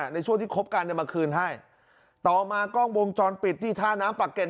ในช่วงที่คบกันเนี่ยมาคืนให้ต่อมากล้องวงจรปิดที่ท่าน้ำปากเกร็